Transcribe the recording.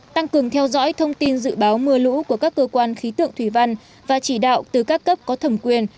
tăng cường theo dõi thông tin dự báo mưa lũ của các cơ quan khí tượng thủy văn và chỉ đạo từ các cấp có thẩm quyền